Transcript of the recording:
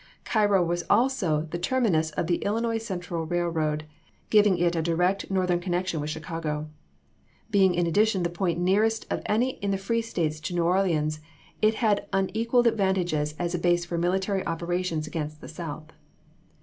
Cairo was also the terminus of the Illinois Central Rail road, giving it a direct northern connection with Chicago. Being in addition the point nearest of any in the free States to New Orleans, it had un equaled advantages as a base for military operations against the South.